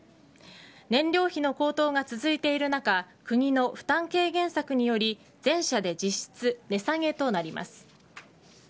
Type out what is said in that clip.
燃料費の高騰が続いている中国の負担軽減策により全社で実質値下げとなります。